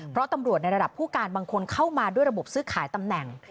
เพราะตำรวจในระดับผู้การบางคนเข้ามาด้วยระบบซื้อขายตำแหน่ง